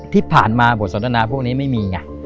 ที่ผ่านมาบทสนทนาพวกนี้ไม่มีไง